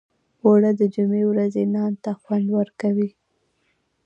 اوړه د جمعې ورځې نان ته خوند ورکوي